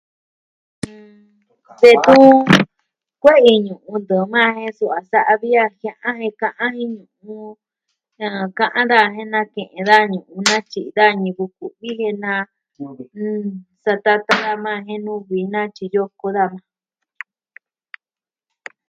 Detun kue'i ñu'un ntɨɨn maa je suu a sa'a vi a jia'an jen ka'an jen... sa ka'an daa jen na ke'en da nu'u na tyi da ñivɨ ku'vi jen na. jɨn... satata daa o maa jen nuvi natyi yo koo va'a.